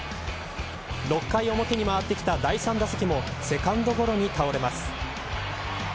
６回表に回ってきた第３打席もセカンドゴロに倒れます。